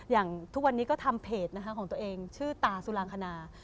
อย่างทุกวันนี้ก็ทำเพจนะคะของตัวเองชื่อตาสุรางคณา